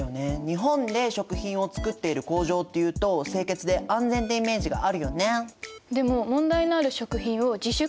日本で食品を作っている工場っていうと清潔で安全ってイメージがあるよね。